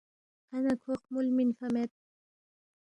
ہنہ کھو خمُول مِنفا مید